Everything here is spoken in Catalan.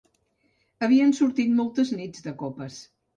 Havien sortit moltes nits de copes.